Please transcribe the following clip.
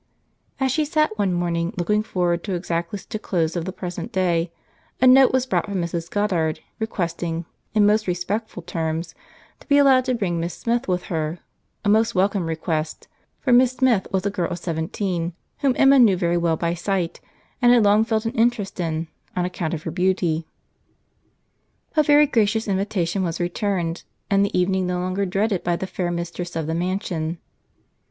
As she sat one morning, looking forward to exactly such a close of the present day, a note was brought from Mrs. Goddard, requesting, in most respectful terms, to be allowed to bring Miss Smith with her; a most welcome request: for Miss Smith was a girl of seventeen, whom Emma knew very well by sight, and had long felt an interest in, on account of her beauty. A very gracious invitation was returned, and the evening no longer dreaded by the fair mistress of the mansion.